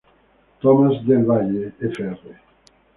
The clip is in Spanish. Tomás del Valle, Fr.